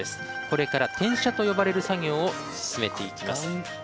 これから転写と呼ばれる作業を進めていきます。